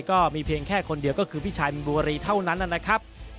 ก็มีเพียงแค่คนเดียวก็คือพี่ชายมินบุรีเท่านั้นนะครับ